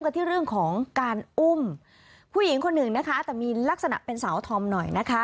กันที่เรื่องของการอุ้มผู้หญิงคนหนึ่งนะคะแต่มีลักษณะเป็นสาวธอมหน่อยนะคะ